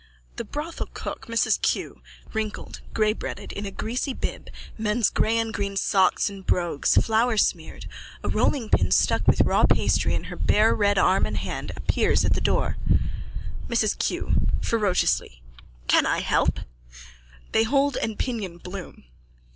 _(The brothel cook, Mrs Keogh, wrinkled, greybearded, in a greasy bib, men's grey and green socks and brogues, floursmeared, a rollingpin stuck with raw pastry in her bare red arm and hand, appears at the door.)_ MRS KEOGH: (Ferociously.) Can I help? _(They hold and pinion Bloom.)